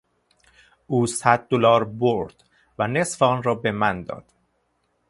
او صد دلار برد و نصف آن را به من داد.